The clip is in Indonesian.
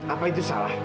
apa itu salah